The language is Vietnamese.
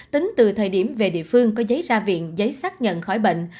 tính từ thời điểm về địa phương có giấy ra viện giấy xác nhận khỏi bệnh